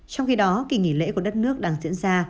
trong khi đó kỳ nghỉ lễ của đất nước đang diễn ra